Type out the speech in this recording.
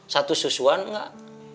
satu susuan gak